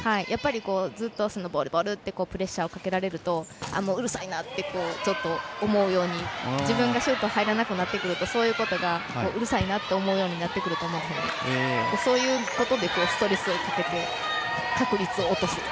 ずっとボール、ボール！ってプレッシャーをかけられるとうるさいなって思うように自分がシュート入らないようになってくるとうるさいなと思うようになってくるのでそういうことでストレスをかけて確率を落とす。